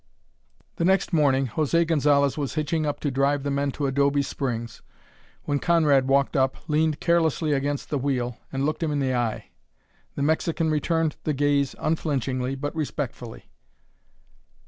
The next morning José Gonzalez was hitching up to drive the men to Adobe Springs when Conrad walked up, leaned carelessly against the wheel, and looked him in the eye. The Mexican returned the gaze unflinchingly but respectfully.